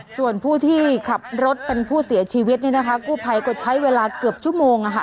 ส่วนผู้ที่ขับรถเป็นผู้เสียชีวิตนี่นะคะกู้ภัยก็ใช้เวลาเกือบชั่วโมง